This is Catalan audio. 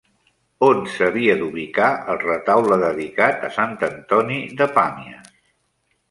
On s'havia d'ubicar el retaule dedicat a Sant Antoní de Pàmies?